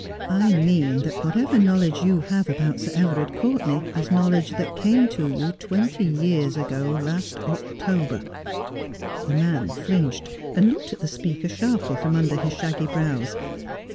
'I mean that whatever knowledge you have about Sir Everard Courtenay is knowledge that came to you twenty years ago last October.' The man flinched, and looked at the speaker sharply from under his shaggy brows.